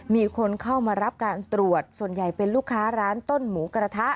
มีคนเข้ามารับการตรวจส่วนใหญ่เป็นลูกค้าร้านต้นหมูกระทะ